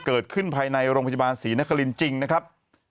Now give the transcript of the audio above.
ภายในโรงพยาบาลศรีนครินทร์จริงนะครับ